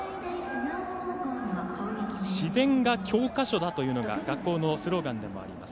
自然が教科書だというのが学校のスローガンでもあります。